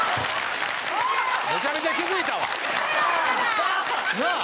めちゃめちゃ気付いたわ！なあ？